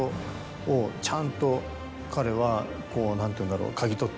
ちゃんと彼はこう何ていうんだろう。